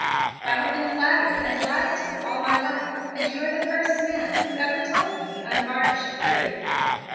I have been flattered and lied to all my life, and you are the first man who ever told me the unvarnished truth."